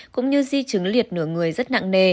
cũng như di chứng liệt nửa người rất nặng nề